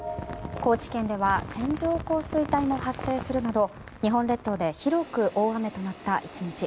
高知県では線状降水帯も発生するなど日本列島で広く大雨となった１日。